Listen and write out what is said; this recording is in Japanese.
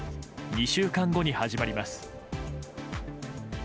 ２週間後に始まります。